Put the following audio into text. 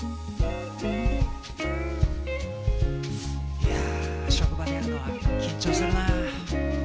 いや職場でやるのは緊張するな。